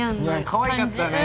かわいかったね。